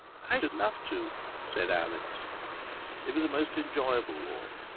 "I should love to!" said Alice. It was a most enjoyable walk.